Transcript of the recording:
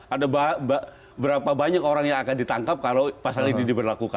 ada berapa banyak orang yang akan ditangkap kalau pasal ini diberlakukan